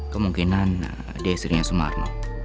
kemungkinan dia istrinya sumarno